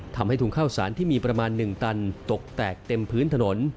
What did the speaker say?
ทำให้ถุงข้าวสารที่มีประมาณ๑ตันตกแตกเต็มพื้นถนน